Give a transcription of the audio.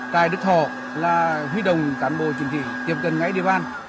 tại tức họ là huy đồng toàn bộ chuyên sĩ tiếp cận ngay địa bàn